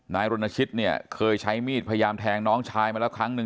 นายรณชิตเนี่ยเคยใช้มีดพยายามแทงน้องชายมาแล้วครั้งหนึ่ง